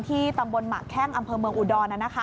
ที่ตำบลหมาแค่งอำเภอเมืองอุดอน